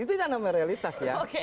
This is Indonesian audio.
itu yang namanya realitas ya